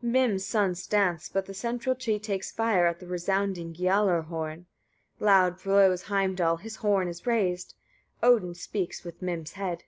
47. Mim's sons dance, but the central tree takes fire at the resounding Giallar horn. Loud blows Heimdall, his horn is raised; Odin speaks with Mim's head.